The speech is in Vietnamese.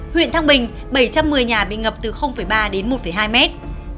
huyện thăng bình bảy trăm một mươi nhà bị ngập từ ba đến một hai mét